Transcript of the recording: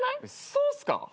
そうっすか？